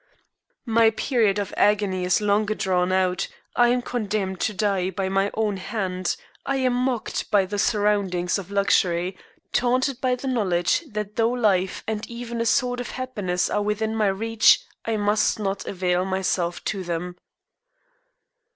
My period of agony is longer drawn out, I am condemned to die by my own hand, I am mocked by the surroundings of luxury, taunted by the knowledge that though life and even a sort of happiness are within my reach I must not avail myself of them.